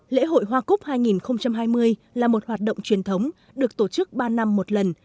lễ hội hoa cúc hai nghìn hai mươi là một hoạt động truyền thống được tổ chức ba năm một lần